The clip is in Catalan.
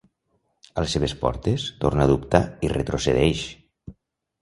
A les seves portes, torna a dubtar i retrocedeix.